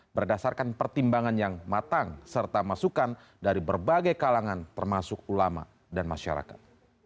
berdasarkan pertimbangan yang matang serta masukan dari berbagai kalangan termasuk ulama dan masyarakat